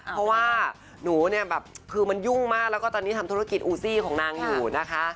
เพราะว่าหนูเนี่ยแบบคือมันยุ่งมากแล้วก็ตอนนี้ทำธุรกิจอูซี่ของนางอยู่นะคะ